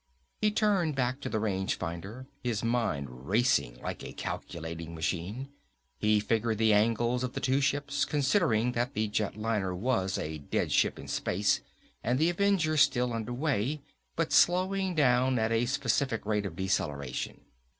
He turned back to the range finder, his mind racing like a calculating machine. He figured the angles of the two ships, considering that the jet liner was a dead ship in space and the Avenger still under way, but slowing down at a specific rate of deceleration.